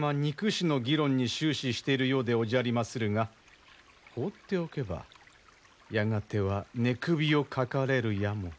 憎しの議論に終始しているようでおじゃりまするが放っておけばやがては寝首をかかれるやも。